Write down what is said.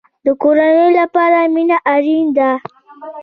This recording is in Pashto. د کورنۍ لپاره مینه اړین ده